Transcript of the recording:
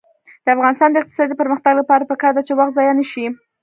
د افغانستان د اقتصادي پرمختګ لپاره پکار ده چې وخت ضایع نشي.